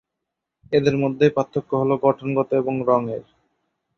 এদের মধ্যে পার্থক্য হল গঠনগত এবং রঙের।